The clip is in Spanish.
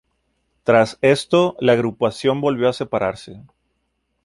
Tras esto, la agrupación volvió a separarse.